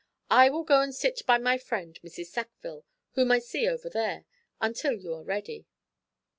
I will go and sit by my friend Mrs. Sackville, whom I see over there, until you are ready."